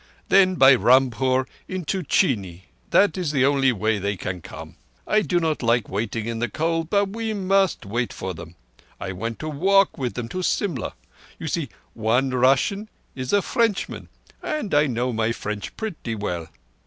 Then by Rampur into Chini. That is the only way they can come. I do not like waiting in the cold, but we must wait for them. I want to walk with them to Simla. You see, one Russian is a Frenchman, and I know my French pretty well.